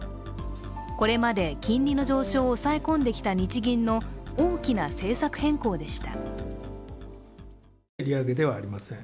これまで金利の上昇を抑え込んできた日銀の大きな政策変更でした。